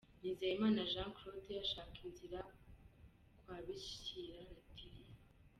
Nizeyimana Jean Claude ashaka inzira kwa Bishira Latif.